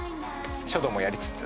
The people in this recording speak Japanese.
書道もやりつつ。